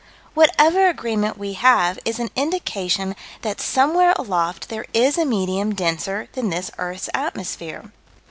Whatever agreement we have is an indication that somewhere aloft there is a medium denser than this earth's atmosphere.